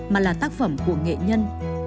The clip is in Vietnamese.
mà là tác phẩm của nghệ nhân